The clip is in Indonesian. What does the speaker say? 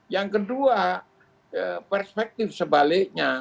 yang kedua perspektif sebaliknya